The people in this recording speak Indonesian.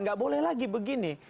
nggak boleh lagi begini